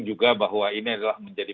juga bahwa ini adalah menjadi